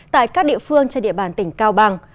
tại các địa phương trên địa bàn tỉnh cao bằng